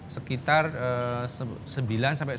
sekitar sebagian dari seratus miliar